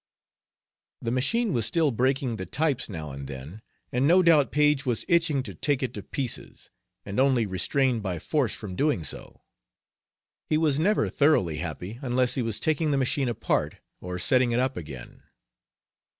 The machine was still breaking the types now and then, and no doubt Paige was itching to take it to pieces, and only restrained by force from doing so. He was never thoroughly happy unless he was taking the machine apart or setting it up again.